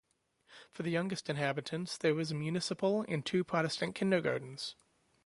For the youngest inhabitants there is a municipal and two Protestant kindergartens.